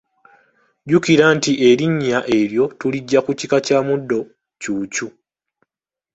Jjukira nti erinnya eryo tuliggya ku kika kya muddo ccuucu.